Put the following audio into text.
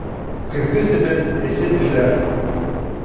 Көҙгө себен эсе тешләр.